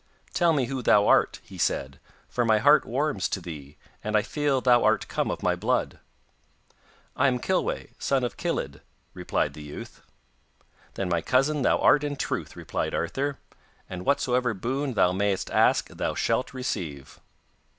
'Tell me who thou art,' he said, 'for my heart warms to thee, and I feel thou art come of my blood.' 'I am Kilweh, son of Kilydd,' replied the youth. 'Then my cousin thou art in truth,' replied Arthur, 'and whatsoever boon thou mayest ask thou shalt receive.